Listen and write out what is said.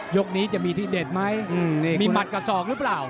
ยกนี้จะมีทีเด็ดไหมมีหมัดกับศอกหรือเปล่า